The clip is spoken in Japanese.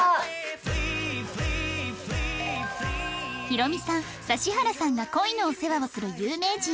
ヒロミさん指原さんが恋のお世話をする有名人